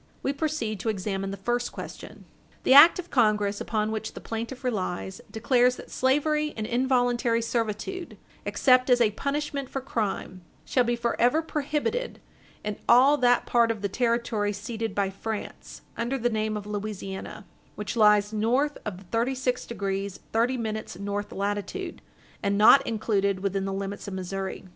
We proceed to examine the first question. The act of Congress upon which the plaintiff relies declares that slavery and involuntary servitude, except as a punishment for crime, shall be forever prohibited in all that part of the territory ceded by France, under the name of Louisiana, which lies north of thirty six degrees thirty minutes north latitude, and not included within the limits of Missouri.